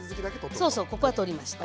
そうそうここは取りました。